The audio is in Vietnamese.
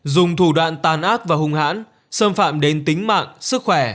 dùng thủ đoạn tàn ác và hung hãn xâm phạm đến tính mạng sức khỏe